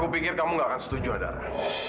aku pikir kamu gak akan setuju adalah